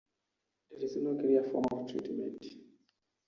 There is no clear form of treatment.